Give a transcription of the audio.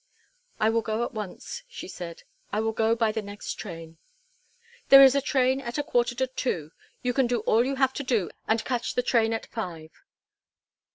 "I will go at once," she said, "I will go by the next train." "There is a train at a quarter to two. You can do all you have to do and catch the train at five.